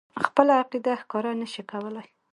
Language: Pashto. خپله عقیده ښکاره نه شي کولای.